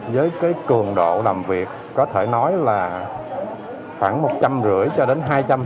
với cường độ làm việc có thể nói là khoảng một trăm năm mươi cho đến hai trăm linh